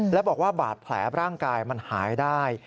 และบอกว่าบาดแผลร่างกายมันหายได้